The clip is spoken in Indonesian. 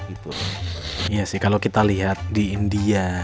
iya sih kalau kita lihat di india